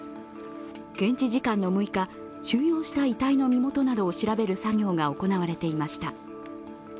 現地時間の６日、収容した遺体の身元などを調べる作業が行われていました。